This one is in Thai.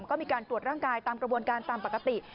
ก็มีการตรวจร่างกายตามกระบวนการตามปกติ